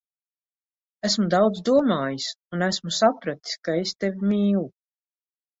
Esmu daudz domājis, un esmu sapratis, ka es tevi mīlu.